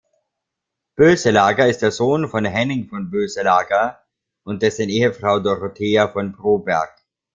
Boeselager ist der Sohn von Henning von Boeselager und dessen Ehefrau Dorothea von Broberg.